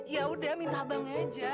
ya udah minta abang aja